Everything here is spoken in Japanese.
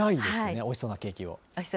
おいしそうなケーキ。